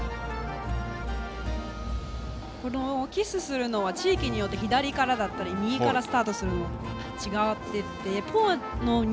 頬にキスをするのは地域によって左からだったり右からスタートするのと違っていて、ポーのある南